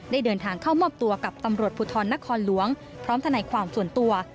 เดินทางเข้ามอบตัวกับตำรวจภูทรนครหลวงพร้อมทนายความส่วนตัว